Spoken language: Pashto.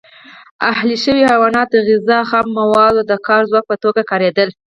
اهلي شوي حیوانات د غذا، خامو موادو او د کار ځواک په توګه کارېدل.